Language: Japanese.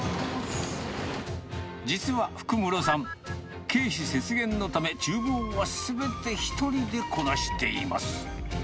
実は福室さん、経費節減のため、ちゅう房はすべて１人でこなしています。